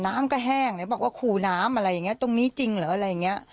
น้ำก็แห้งเลยบอกว่าขู่น้ำอะไรอย่างนี้ตรงนี้จริงเหรออะไรอย่างนี้